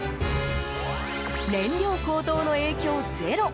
燃料高騰の影響ゼロ。